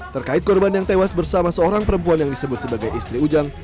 terkait korban yang tewas bersama seorang perempuan yang disebut sebagai istri ujang